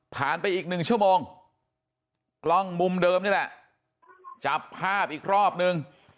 ไปอีกหนึ่งชั่วโมงกล้องมุมเดิมนี่แหละจับภาพอีกรอบนึง